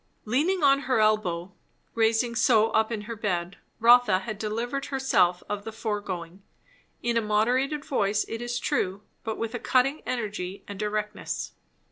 Leaning on her elbow, raised so up in her bed, Rotha had delivered herself of the foregoing; in a moderated voice it is true, but with a cutting energy and directness.